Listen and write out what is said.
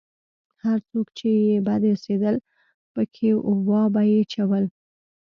هر څوک چې يې بد اېسېدل پکښې وابه يې چول.